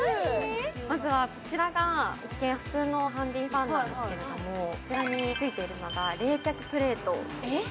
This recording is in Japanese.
まずはこちらが一見普通のハンディファンなんですけれどもこちらについているのが冷却プレートえっ？